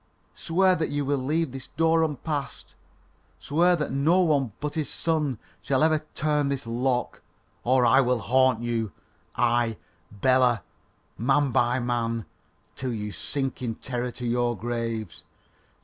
Swear that you will leave this door unpassed; swear that no one but his son shall ever turn this lock; or I will haunt you, I, Bela, man by man, till you sink in terror to your graves.